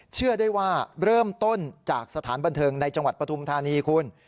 เชื่อได้ว่าเริ่มต้นจากสถานบันเทิงในจังหวัดปฐุมธานีคุณ